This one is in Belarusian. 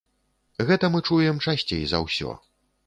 Гэта мы чуем часцей за ўсё.